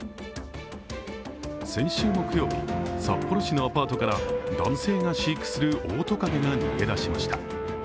先週木曜日、札幌市のアパートから男性が飼育するオオトカゲが逃げ出しました。